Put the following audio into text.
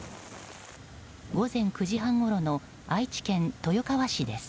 午前９時半ごろの愛知県豊川市です。